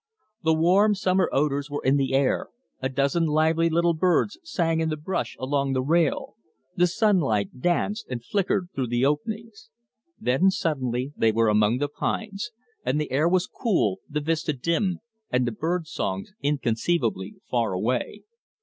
The warm summer odors were in the air, a dozen lively little birds sang in the brush along the rail, the sunlight danced and flickered through the openings. Then suddenly they were among the pines, and the air was cool, the vista dim, and the bird songs inconceivably far away.